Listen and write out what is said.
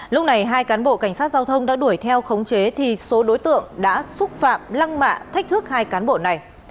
lúc này hai cán bộ cảnh sát giao thông đã đuổi theo khống chế thì số đối tượng đã xúc phạm lăng mạ thách thức hai cán bộ này